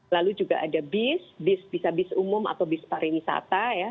lalu juga ada bis bis bisa bis umum atau bis pariwisata ya